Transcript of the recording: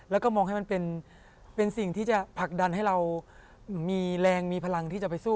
แล้วก็มองให้มันเป็นสิ่งที่จะผลักดันให้เรามีแรงมีพลังที่จะไปสู้